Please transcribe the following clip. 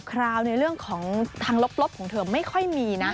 คราวในเรื่องของทางลบของเธอไม่ค่อยมีนะ